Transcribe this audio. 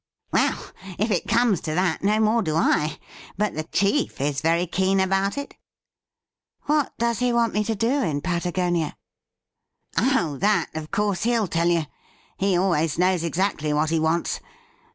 ' Well, if it comes to that, no more do I. But the chief is very keen about it.' ' What does he want me to do in Patagonia i"' ' Oh, that, of course, he'll tell you. He always knows exactly what he wants.